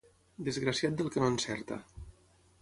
Desgraciat del que no encerta.